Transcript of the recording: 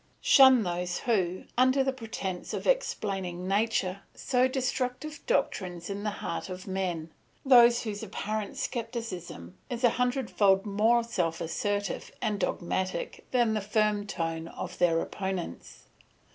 "Shun those who, under the pretence of explaining nature, sow destructive doctrines in the heart of men, those whose apparent scepticism is a hundredfold more self assertive and dogmatic than the firm tone of their opponents.